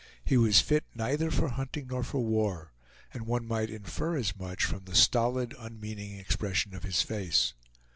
He was fit neither for hunting nor for war; and one might infer as much from the stolid unmeaning expression of his face.